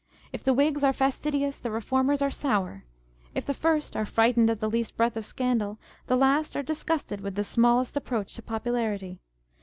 If the Whigs are fastidious, the Reformers are sour. If the first are frightened at the least breath of scandal, the last are disgusted with the smallest approach to popularity.